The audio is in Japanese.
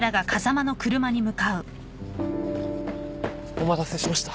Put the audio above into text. お待たせしました。